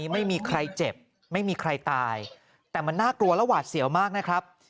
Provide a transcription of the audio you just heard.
ไม่มีใครตายแต่มันน่ากลัวแล้วหวาดเสี่ยวมากนะครับ